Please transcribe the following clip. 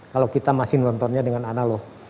kalau kita masih nontonnya dengan analog